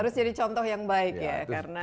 harus jadi contoh yang baik ya karena